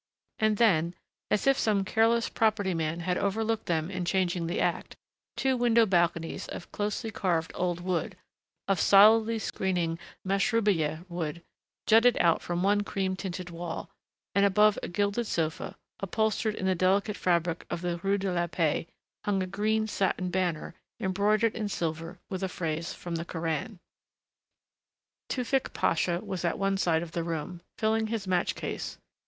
And then, as if some careless property man had overlooked them in changing the act, two window balconies of closely carved old wood, of solidly screening mashrubiyeh wood, jutted out from one cream tinted wall, and above a gilded sofa, upholstered in the delicate fabric of the Rue de la Paix, hung a green satin banner embroidered in silver with a phrase from the Koran. Tewfick Pasha was at one side of the room, filling his match case.